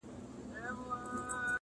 هېره چي یې نه کې پر ګرېوان حماسه ولیکه!